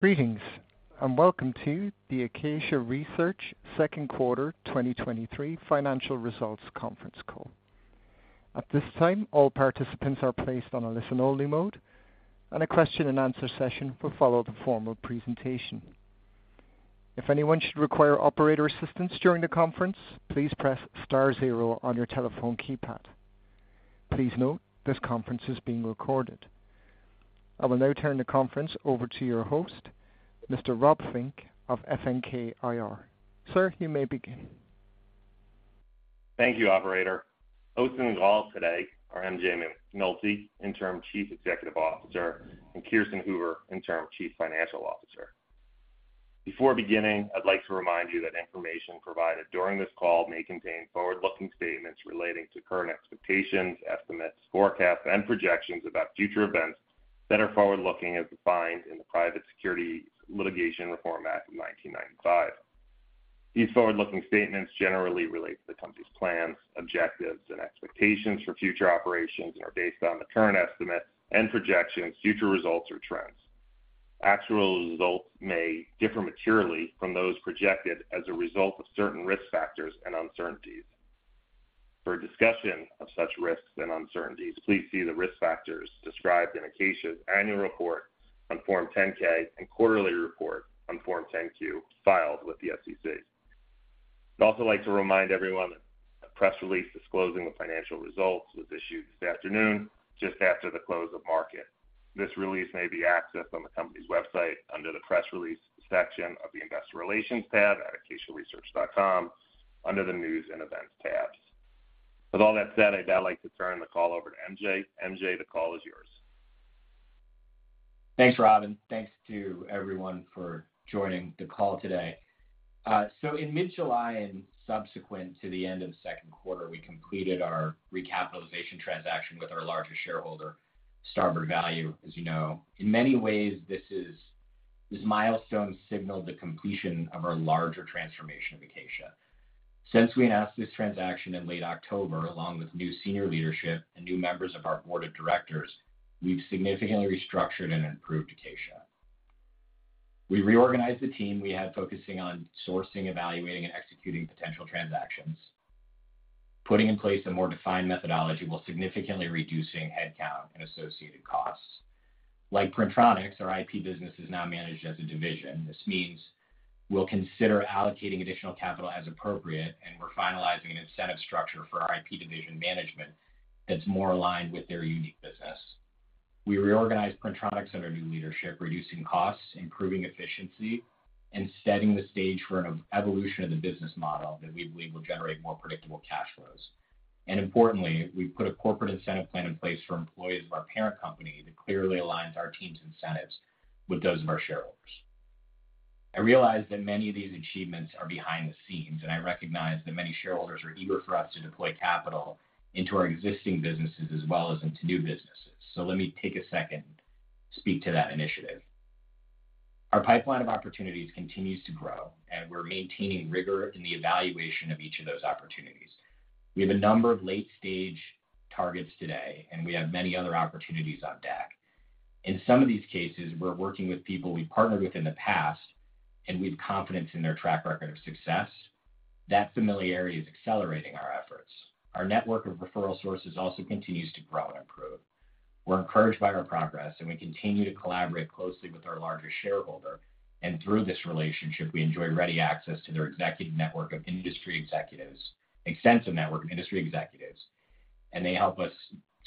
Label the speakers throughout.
Speaker 1: Greetings, and welcome to the Acacia Research second quarter 2023 financial results conference call. At this time, all participants are placed on a listen-only mode, and a question-and-answer session will follow the formal presentation. If anyone should require operator assistance during the conference, please press star zero on your telephone keypad. Please note, this conference is being recorded. I will now turn the conference over to your host, Mr. Rob Fink of FNK IR. Sir, you may begin.
Speaker 2: Thank you, Operator. Hosting the call today are MJ McNulty, Interim Chief Executive Officer, and Kirsten Hoover, Interim Chief Financial Officer. Before beginning, I'd like to remind you that information provided during this call may contain forward-looking statements relating to current expectations, estimates, forecasts, and projections about future events that are forward-looking, as defined in the Private Securities Litigation Reform Act of 1995. These forward-looking statements generally relate to the company's plans, objectives, and expectations for future operations and are based on the current estimates and projections of future results or trends. Actual results may differ materially from those projected as a result of certain risk factors and uncertainties. For a discussion of such risks and uncertainties, please see the risk factors described in Acacia's annual report on Form 10-K and quarterly report on Form 10-Q, filed with the SEC. I'd also like to remind everyone that a press release disclosing the financial results was issued this afternoon, just after the close of market. This release may be accessed on the company's website under the Press Release section of the Investor Relations Tab at acaciaresearch.com, under the News and Events Tab. With all that said, I'd now like to turn the call over to MJ. MJ, the call is yours.
Speaker 3: Thanks, Rob, and thanks to everyone for joining the call today. In mid-July and subsequent to the end of the second quarter, we completed our recapitalization transaction with our largest shareholder, Starboard Value, as you know. In many ways, this milestone signaled the completion of our larger transformation of Acacia. Since we announced this transaction in late October, along with new senior leadership and new members of our board of directors, we've significantly restructured and improved Acacia. We reorganized the team we had focusing on sourcing, evaluating, and executing potential transactions, putting in place a more defined methodology while significantly reducing headcount and associated costs. Like Printronix, our IP business is now managed as a division. This means we'll consider allocating additional capital as appropriate, and we're finalizing an incentive structure for our IP division management that's more aligned with their unique business. We reorganized Printronix under new leadership, reducing costs, improving efficiency, and setting the stage for an evolution of the business model that we believe will generate more predictable cash flows. Importantly, we've put a corporate incentive plan in place for employees of our parent company that clearly aligns our team's incentives with those of our shareholders. I realize that many of these achievements are behind the scenes, and I recognize that many shareholders are eager for us to deploy capital into our existing businesses as well as into new businesses. Let me take a second to speak to that initiative. Our pipeline of opportunities continues to grow, and we're maintaining rigor in the evaluation of each of those opportunities. We have a number of late-stage targets today, and we have many other opportunities on deck. In some of these cases, we're working with people we've partnered with in the past. We have confidence in their track record of success. That familiarity is accelerating our efforts. Our network of referral sources also continues to grow and improve. We're encouraged by our progress. We continue to collaborate closely with our largest shareholder. Through this relationship, we enjoy ready access to their executive network of industry executives, extensive network of industry executives. They help us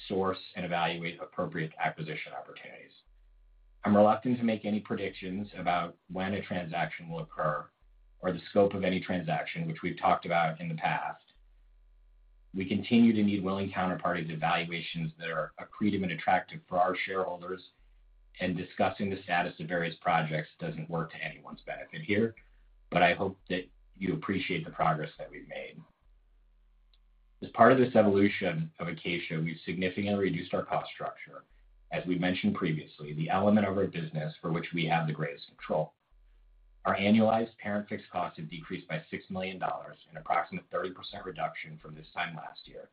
Speaker 3: source and evaluate appropriate acquisition opportunities. I'm reluctant to make any predictions about when a transaction will occur or the scope of any transaction, which we've talked about in the past. We continue to need willing counterparties and valuations that are accretive and attractive for our shareholders. Discussing the status of various projects doesn't work to anyone's benefit here. I hope that you appreciate the progress that we've made. As part of this evolution of Acacia Research Corporation, we've significantly reduced our cost structure, as we mentioned previously, the element of our business for which we have the greatest control. Our annualized parent fixed costs have decreased by $6 million, an approximate 30% reduction from this time last year.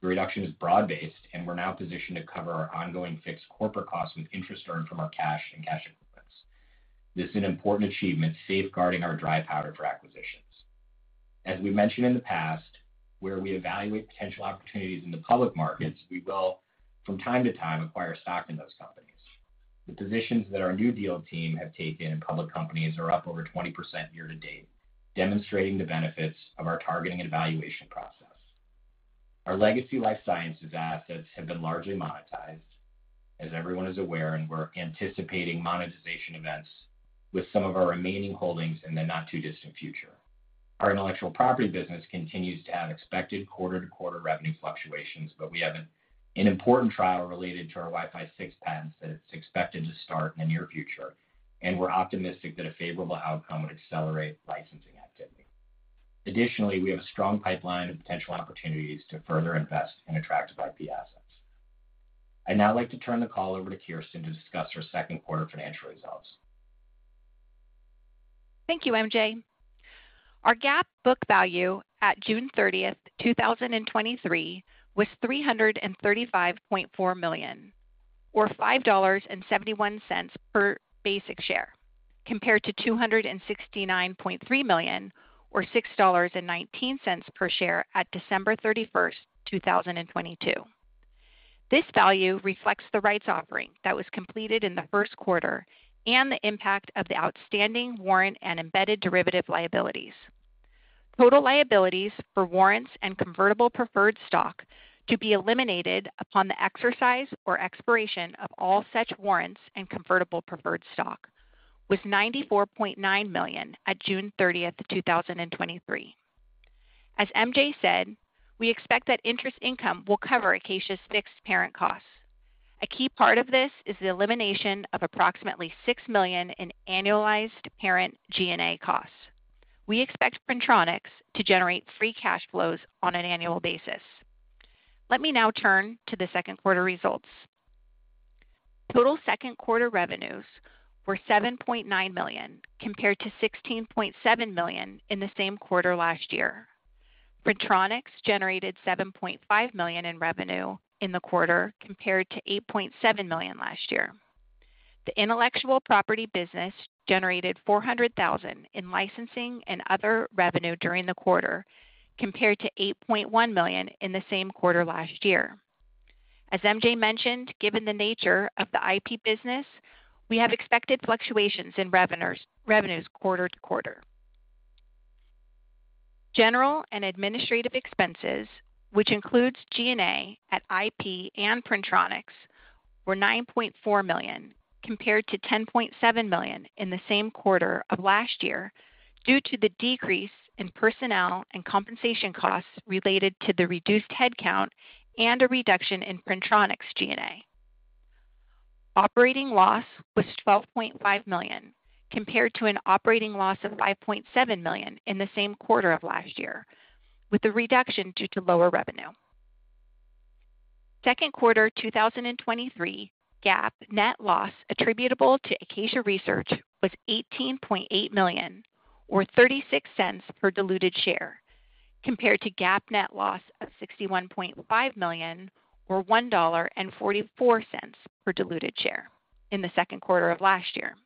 Speaker 3: The reduction is broad-based. We're now positioned to cover our ongoing fixed corporate costs with interest earned from our cash and cash equivalents. This is an important achievement, safeguarding our dry powder for acquisitions. As we mentioned in the past, where we evaluate potential opportunities in the public markets, we will, from time to time, acquire stock in those companies. The positions that our new deal team have taken in public companies are up over 20% year to date, demonstrating the benefits of our targeting and valuation process. Our legacy life sciences assets have been largely monetized, as everyone is aware, and we're anticipating monetization events with some of our remaining holdings in the not-too-distant future. Our intellectual property business continues to have expected quarter-to-quarter revenue fluctuations, but we have an important trial related to our Wi-Fi 6 patents that is expected to start in the near future, and we're optimistic that a favorable outcome would accelerate licensing activity. Additionally, we have a strong pipeline of potential opportunities to further invest in attractive IP assets. I'd now like to turn the call over to Kirsten to discuss our second quarter financial results.
Speaker 4: Thank you, MJ. Our GAAP book value at June 30th, 2023, was $335.4 million, or $5.71 per basic share, compared to $269.3 million, or $6.19 per share at December 31st, 2022. This value reflects the rights offering that was completed in the first quarter and the impact of the outstanding warrant and embedded derivative liabilities. Total liabilities for warrants and convertible preferred stock to be eliminated upon the exercise or expiration of all such warrants and convertible preferred stock was $94.9 million at June 30th, 2023. As MJ said, we expect that interest income will cover Acacia's fixed parent costs. A key part of this is the elimination of approximately $6 million in annualized parent G&A costs. We expect Printronix to generate free cash flows on an annual basis. Let me now turn to the second quarter results. Total second quarter revenues were $7.9 million, compared to $16.7 million in the same quarter last year. Printronix generated $7.5 million in revenue in the quarter, compared to $8.7 million last year. The intellectual property business generated $400,000 in licensing and other revenue during the quarter, compared to $8.1 million in the same quarter last year. As MJ mentioned, given the nature of the IP business, we have expected fluctuations in revenues quarter-to-quarter. General and administrative expenses, which includes G&A at IP and Printronix, were $9.4 million, compared to $10.7 million in the same quarter of last year, due to the decrease in personnel and compensation costs related to the reduced headcount and a reduction in Printronix G&A. Operating loss was $12.5 million, compared to an operating loss of $5.7 million in the same quarter of last year, with the reduction due to lower revenue. Second quarter, 2023 GAAP net loss attributable to Acacia Research was $18.8 million, or $0.36 per diluted share, compared to GAAP net loss of $61.5 million, or $1.44 per diluted share in the second quarter of last year.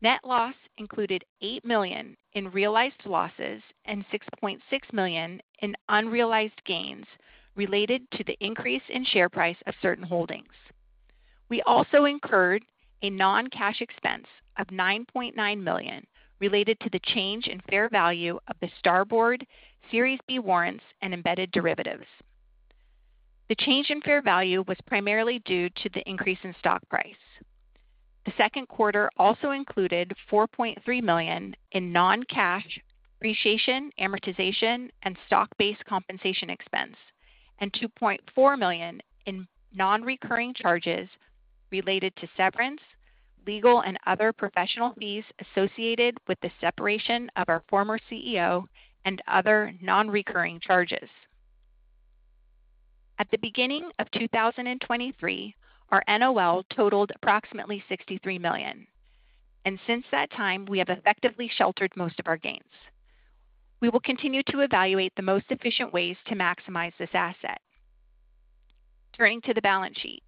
Speaker 4: Net loss included $8 million in realized losses and $6.6 million in unrealized gains related to the increase in share price of certain holdings. We also incurred a non-cash expense of $9.9 million related to the change in fair value of the Starboard Series B warrants and embedded derivatives. The change in fair value was primarily due to the increase in stock price. The second quarter also included $4.3 million in non-cash depreciation, amortization, and stock-based compensation expense, and $2.4 million in non-recurring charges related to severance, legal, and other professional fees associated with the separation of our former CEO and other non-recurring charges. At the beginning of 2023, our NOL totaled approximately $63 million, and since that time, we have effectively sheltered most of our gains. We will continue to evaluate the most efficient ways to maximize this asset. Turning to the balance sheet.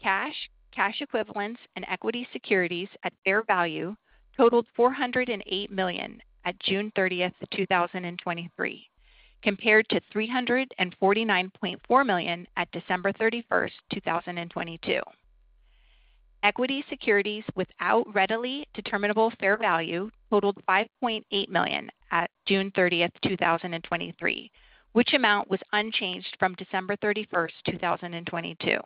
Speaker 4: Cash, cash equivalents, and equity securities at fair value totaled $408 million at June 30th, 2023, compared to $349.4 million at December 31st, 2022. Equity securities without readily determinable fair value totaled $5.8 million at June 30th, 2023, which amount was unchanged from December 31st, 2022.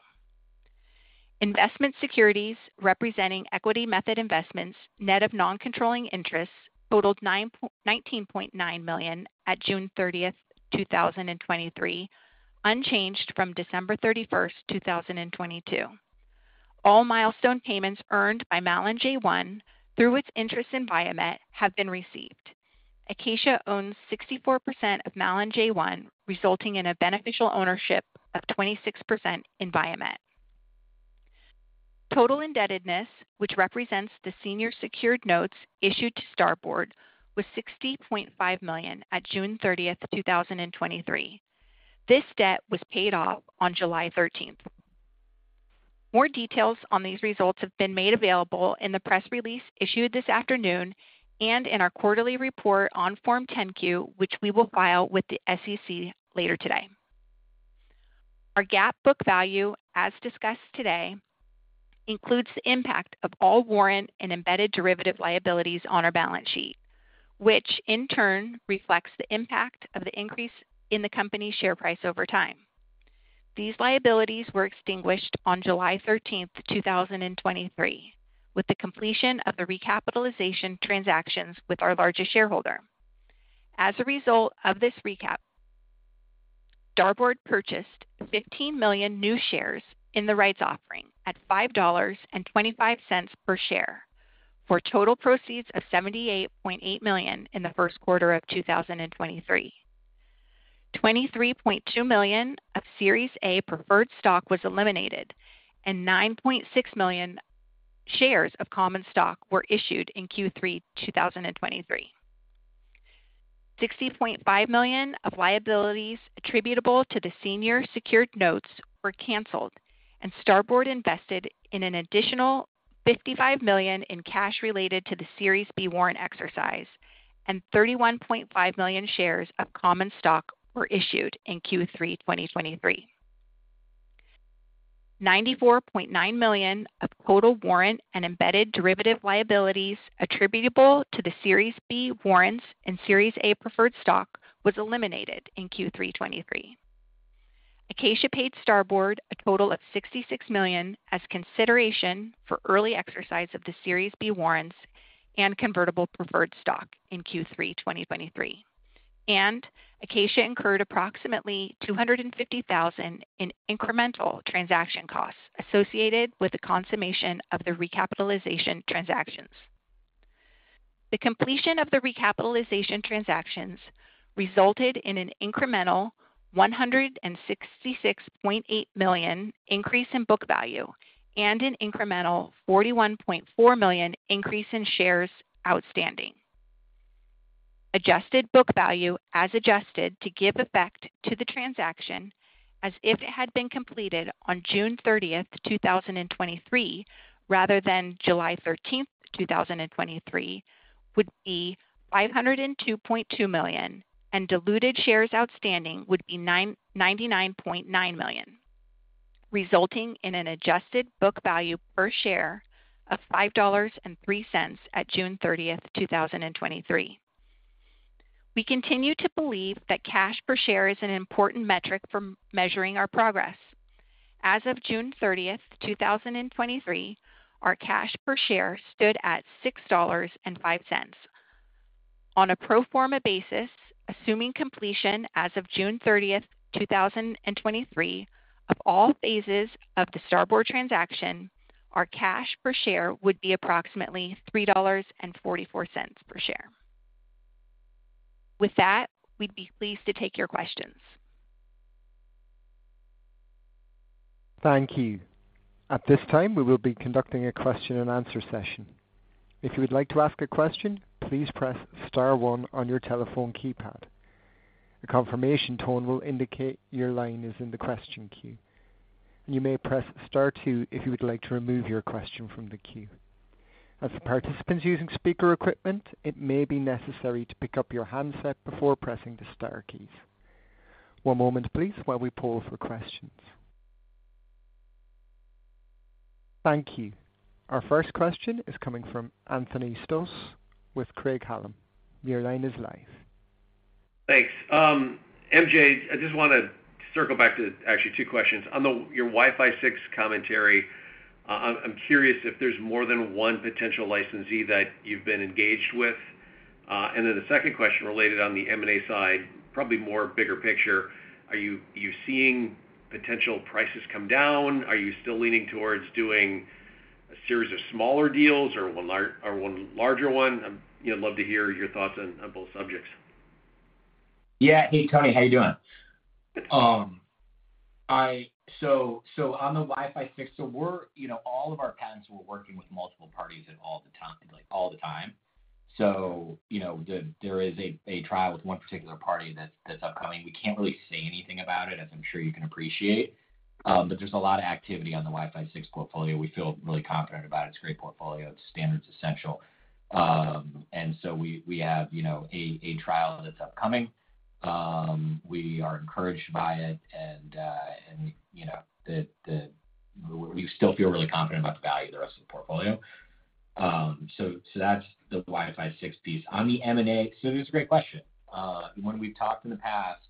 Speaker 4: Investment securities representing equity method investments, net of non-controlling interests, totaled $19.9 million at June 30, 2023, unchanged from December 31, 2022. All milestone payments earned by Malin J1 through its interest in Viamet have been received. Acacia owns 64% of Malin J1, resulting in a beneficial ownership of 26% in Viamet. Total indebtedness, which represents the senior secured notes issued to Starboard, was $60.5 million at June 30th, 2023. This debt was paid off on July 13th. More details on these results have been made available in the press release issued this afternoon and in our quarterly report on Form 10-Q, which we will file with the SEC later today. Our GAAP book value, as discussed today, includes the impact of all warrant and embedded derivative liabilities on our balance sheet, which in turn reflects the impact of the increase in the company's share price over time. These liabilities were extinguished on July 13th, 2023, with the completion of the recapitalization transactions with our largest shareholder. As a result of this recap, Starboard purchased 15 million new shares in the rights offering at $5.25 per share, for total proceeds of $78.8 million in the first quarter of 2023. $23.2 million of Series A preferred stock was eliminated. 9.6 million shares of common stock were issued in Q3, 2023. $60.5 million of liabilities attributable to the senior secured notes were canceled. Starboard invested in an additional $55 million in cash related to the Series B warrant exercise. 31.5 million shares of common stock were issued in Q3, 2023. $94.9 million of total warrant and embedded derivative liabilities attributable to the Series B warrants and Series A preferred stock was eliminated in Q3, 2023. Acacia paid Starboard a total of $66 million as consideration for early exercise of the Series B warrants and convertible preferred stock in Q3 2023. Acacia incurred approximately $250,000 in incremental transaction costs associated with the consummation of the recapitalization transactions. The completion of the recapitalization transactions resulted in an incremental $166.8 million increase in book value and an incremental $41.4 million increase in shares outstanding. Adjusted book value, as adjusted to give effect to the transaction as if it had been completed on June 30th, 2023, rather than July 13th, 2023, would be $502.2 million, and diluted shares outstanding would be 99.9 million, resulting in an adjusted book value per share of $5.03 at June 30th, 2023. We continue to believe that cash per share is an important metric for measuring our progress. As of June 30th, 2023, our cash per share stood at $6.05. On a pro forma basis, assuming completion as of June 30th, 2023, of all phases of the Starboard transaction, our cash per share would be approximately $3.44 per share. With that, we'd be pleased to take your questions.
Speaker 1: Thank you. At this time, we will be conducting a question and answer session. If you would like to ask a question, please press star one on your telephone keypad. A confirmation tone will indicate your line is in the question queue. You may press star two if you would like to remove your question from the queue. As for participants using speaker equipment, it may be necessary to pick up your handset before pressing the star keys. One moment, please, while we pull for questions. Thank you. Our first question is coming from Anthony Stoss with Craig-Hallum. Your line is live.
Speaker 5: Thanks. MJ, I just wanna circle back to actually two questions. On your Wi-Fi 6 commentary, I'm curious if there's more than one potential licensee that you've been engaged with. The second question related on the M&A side, probably more bigger picture, are you seeing potential prices come down? Are you still leaning towards doing a series of smaller deals or one larger one? I'd love to hear your thoughts on both subjects.
Speaker 3: Yeah. Hey, Tony. How are you doing? On the Wi-Fi 6, we're, you know, all of our patents, we're working with multiple parties at all the time, like, all the time. You know, there is a, a trial with one particular party that's, that's upcoming. We can't really say anything about it, as I'm sure you can appreciate, but there's a lot of activity on the Wi-Fi 6 portfolio. We feel really confident about it. It's a great portfolio. It's standards-essential. We, we have, you know, a, a trial that's upcoming. We are encouraged by it and, you know, we still feel really confident about the value of the rest of the portfolio. That's the Wi-Fi 6 piece. On the M&A, it's a great question. When we've talked in the past,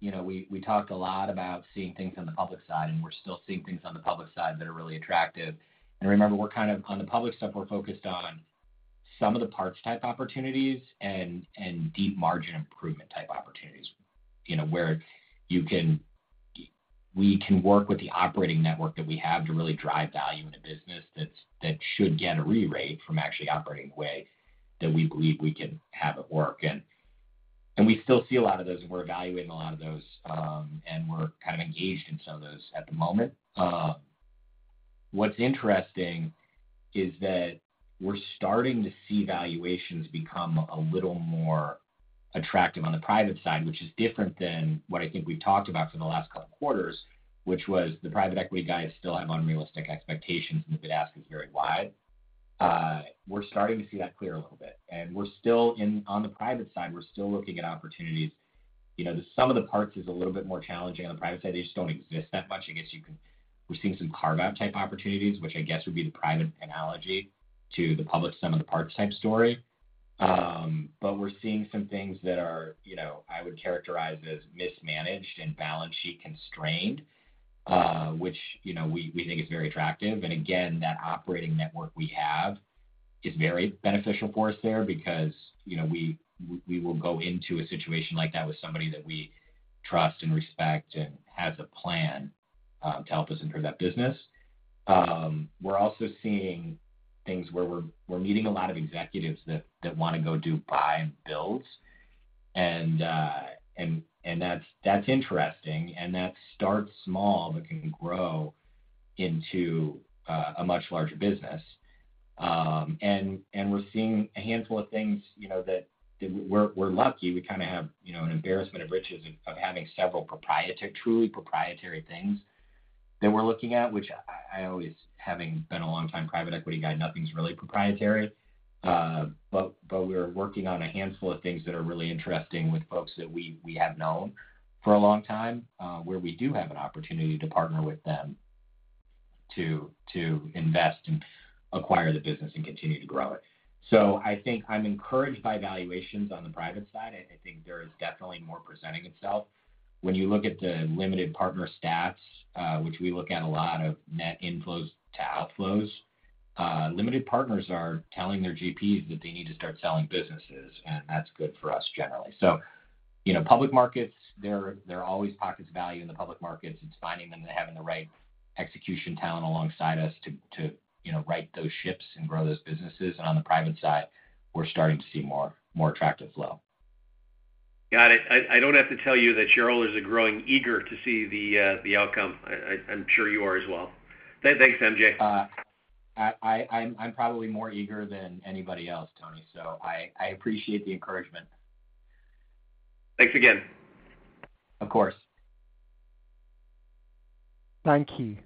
Speaker 3: you know, we, we talked a lot about seeing things on the public side, and we're still seeing things on the public side that are really attractive. Remember, we're kind of on the public stuff, we're focused on sum-of-the-parts type opportunities and, and deep margin improvement type opportunities. You know, where we can work with the operating network that we have to really drive value in a business that's, that should get a re-rate from actually operating way that we believe we can have it work. We still see a lot of those, and we're evaluating a lot of those, and we're kind of engaged in some of those at the moment. What's interesting is that we're starting to see valuations become a little more attractive on the private side, which is different than what I think we've talked about for the last couple of quarters, which was the private equity guys still have unrealistic expectations, and the bid ask is very wide. We're starting to see that clear a little bit, and we're still on the private side, we're still looking at opportunities. You know, the sum-of-the-parts is a little bit more challenging on the private side. They just don't exist that much. I guess we're seeing some carve-out type opportunities, which I guess would be the private analogy to the public sum-of-the-parts type story. We're seeing some things that are, you know, I would characterize as mismanaged and balance sheet constrained, which, you know, we, we think is very attractive. Again, that operating network we have is very beneficial for us there because, you know, we, we will go into a situation like that with somebody that we trust and respect and has a plan. To help us improve that business. We're also seeing things where we're, we're meeting a lot of executives that, that wanna go do buy-and-build. That's, that's interesting, and that starts small, but can grow into a much larger business. We're seeing a handful of things, you know, that, that we're, we're lucky. We kinda have, you know, an embarrassment of riches, of, of having several proprietary- truly proprietary things that we're looking at, which I, I always, having been a long time private equity guy, nothing's really proprietary. But, but we're working on a handful of things that are really interesting with folks that we, we have known for a long time, where we do have an opportunity to partner with them to, to invest and acquire the business and continue to grow it. I think I'm encouraged by valuations on the private side, I, I think there is definitely more presenting itself. When you look at the limited partner stats, which we look at a lot of net inflows to outflows, limited partners are telling their GPs that they need to start selling businesses, and that's good for us generally. you know, public markets, there are, there are always pockets of value in the public markets. It's finding them and having the right execution talent alongside us to, to, you know, right those ships and grow those businesses. On the private side, we're starting to see more, more attractive flow.
Speaker 5: Got it. I, I don't have to tell you that shareholders are growing eager to see the outcome. I, I, I'm sure you are as well. Thanks, MJ.
Speaker 3: I, I, I'm probably more eager than anybody else, Tony, so I, I appreciate the encouragement.
Speaker 5: Thanks again.
Speaker 3: Of course.
Speaker 1: Thank you.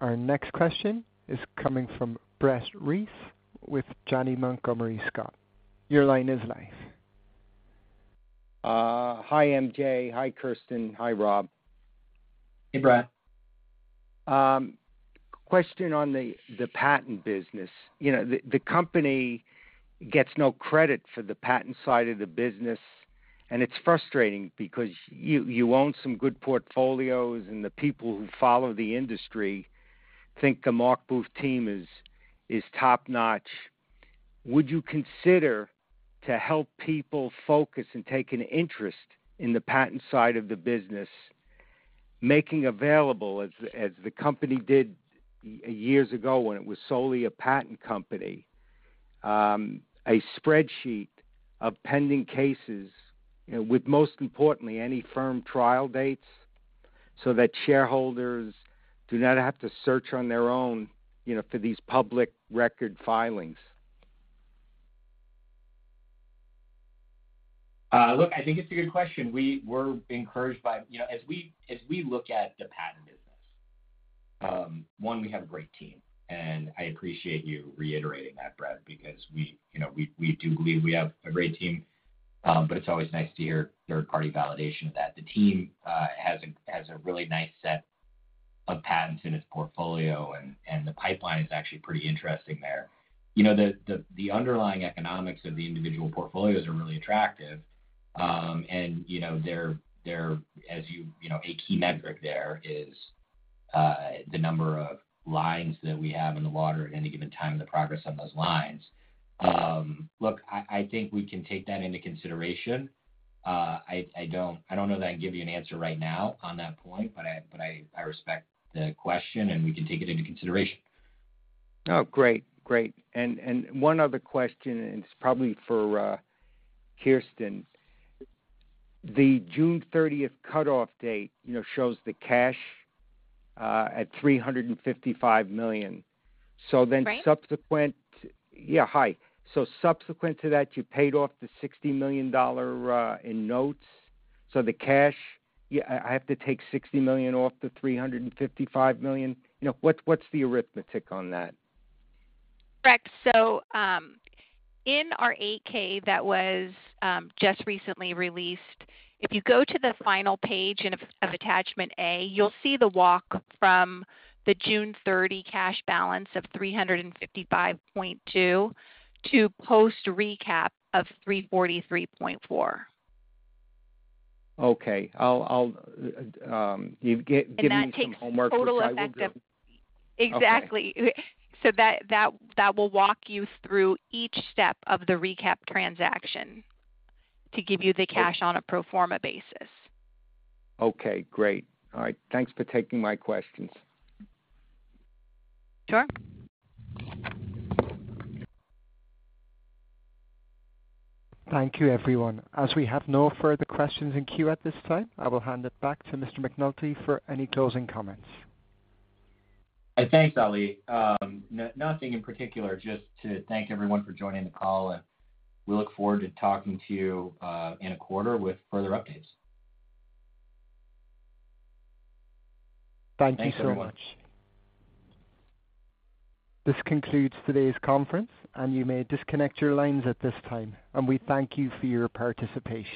Speaker 1: Our next question is coming from Brett Reiss with Janney Montgomery Scott. Your line is live.
Speaker 6: Hi, MJ. Hi, Kirsten. Hi, Rob.
Speaker 3: Hey, Brett.
Speaker 6: Question on the, the patent business. You know, the, the company gets no credit for the patent side of the business, and it's frustrating because you, you own some good portfolios, and the people who follow the industry think the Mark Booth team is, is top-notch. Would you consider to help people focus and take an interest in the patent side of the business, making available, as, as the company did years ago when it was solely a patent company, a spreadsheet of pending cases, you know, with most importantly, any firm trial dates, so that shareholders do not have to search on their own, you know, for these public record filings?
Speaker 3: Look, I think it's a good question. We're encouraged by... You know, as we, as we look at the patent business, one, we have a great team, and I appreciate you reiterating that, Brett, because we, you know, we, we do believe we have a great team, but it's always nice to hear third-party validation of that. The team has a really nice set of patents in its portfolio, and the pipeline is actually pretty interesting there. You know, the underlying economics of the individual portfolios are really attractive. You know, they're as you... You know, a key metric there is the number of lines that we have in the water at any given time, the progress on those lines. Look, I, I think we can take that into consideration. I don't know that I can give you an answer right now on that point, but I respect the question, and we can take it into consideration.
Speaker 6: Oh, great. Great. One other question, and it's probably for Kirsten. The June 30th cutoff date, you know, shows the cash at $355 million.
Speaker 4: Right.
Speaker 6: Yeah, hi. Subsequent to that, you paid off the $60 million in notes. The cash, yeah, I, I have to take $60 million off the $355 million. You know, what's, what's the arithmetic on that?
Speaker 4: Correct. In our 8-K that was just recently released, if you go to the final page of Attachment A, you'll see the walk from the June 30 cash balance of $355.2 to post recap of $343.4.
Speaker 6: Okay. I'll, I'll, you've giving me some homework, which I will do.
Speaker 4: That takes total effect of... Exactly.
Speaker 6: Okay.
Speaker 4: That will walk you through each step of the recap transaction to give you the cash on a pro forma basis.
Speaker 6: Okay, great. All right. Thanks for taking my questions.
Speaker 4: Sure.
Speaker 1: Thank you, everyone. As we have no further questions in queue at this time, I will hand it back to Mr. McNulty for any closing comments.
Speaker 3: Thanks, Ali. Nothing in particular, just to thank everyone for joining the call, and we look forward to talking to you in a quarter with further updates.
Speaker 1: Thank you so much.
Speaker 3: Thanks, everyone.
Speaker 1: This concludes today's conference, and you may disconnect your lines at this time, and we thank you for your participation.